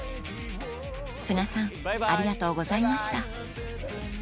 須賀さんありがとうございました